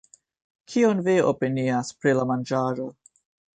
Kion vi opinias pri la manĝaĵo